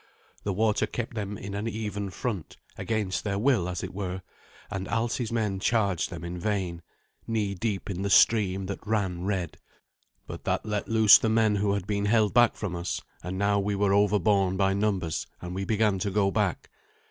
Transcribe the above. The water kept them in an even front, against their will, as it were; and Alsi's men charged them in vain, knee deep in the stream that ran red. But that let loose the men who had been held back from us; and now we were overborne by numbers, and we began to go back.